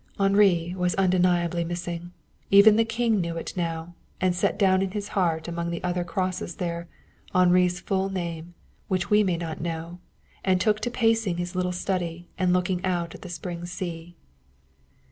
Henri was undeniably missing. Even the King knew it now, and set down in his heart, among the other crosses there, Henri's full name, which we may not know, and took to pacing his little study and looking out at the spring sea.